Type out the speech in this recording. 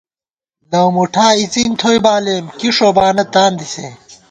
لَؤمُٹھا اِڅِن تھوئی بالېم ، کی ݭوبانہ تاندی سے